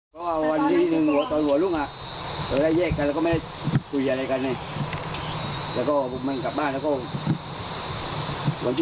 แล้วเรื่องที่เขาบอกว่าที่คุณทำไปเขาว่าต้องการกระทิมตัวอยู่ในที่